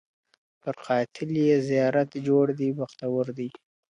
پر قاتل یې زیارت جوړ دی بختور دی.